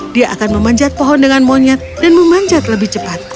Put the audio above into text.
dia akan memanjat pohon dengan monyet dan memanjat lebih cepat